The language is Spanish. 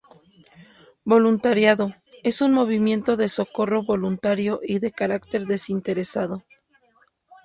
Voluntariado: Es un movimiento de socorro voluntario y de carácter desinteresado.